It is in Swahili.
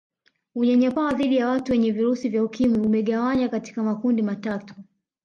Unyanyapaa dhidi ya watu wenye virusi vya Ukimwi umegawanywa katika makundi matatu